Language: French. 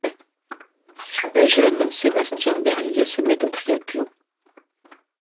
Très jeune, Sébastien Berlier se met au triathlon.